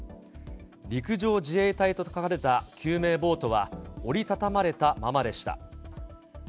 陸上自衛隊と書かれた救命ボートは、折り畳まれたままでした。